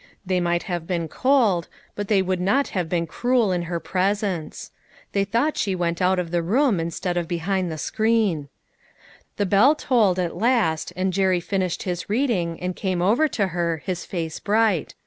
They might have been cold, but they would not have been cruel in her presence. They thought she went out of the room, instead of be A SABBATH TO REMEMBER. 157 hind the screen. The bell tolled, at last, and Jerry finished his reading, and came over to her, his face bright.